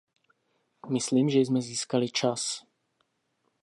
Myslím, že jsme získali čas.